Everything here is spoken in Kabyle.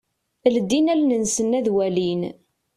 Ldin allen-nsen ad walin.